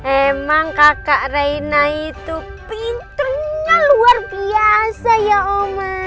emang kakak raina itu pinternya luar biasa ya oma